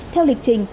theo lịch trình